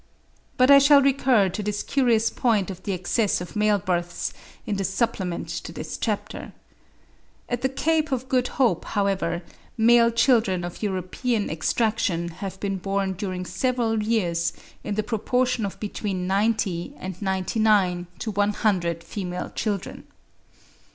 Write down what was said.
But I shall recur to this curious point of the excess of male births in the supplement to this chapter. At the Cape of Good Hope, however, male children of European extraction have been born during several years in the proportion of between 90 and 99 to 100 female children.